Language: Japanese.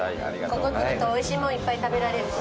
ここ来るとおいしいもんいっぱい食べられるし。